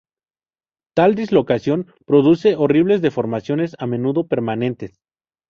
Tal dislocación produce horribles deformaciones, a menudo permanentes.